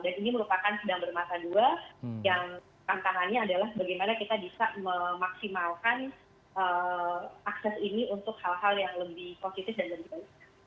dan ini merupakan sedang bermata dua yang tantangannya adalah bagaimana kita bisa memaksimalkan akses ini untuk hal hal yang lebih positif dan lebih baik